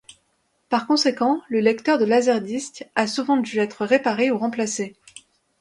Par conséquent, le lecteur de laserdisc a souvent dû être réparé ou remplacé.